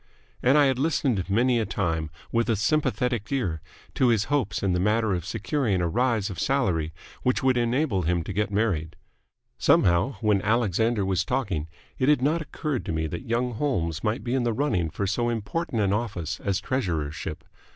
And I had listened many a time with a sympathetic ear to his hopes in the matter of securing a rise of salary which would enable him to get married. Somehow, when Alexander was talking, it had not occurred to me that young Holmes might be in the running for so important an office as the treasurership.